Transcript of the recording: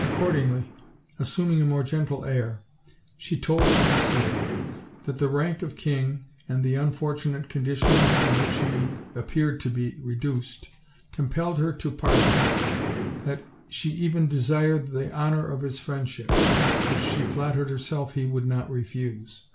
Accordingly, assuming a more gentle air, she told Sin cere that the rank of king, and the unfortunate condition to which he appeared to be reduced, compelled her to pardon him; that she even desired the honor of his friend ship, which she flattered herself he would not refuse.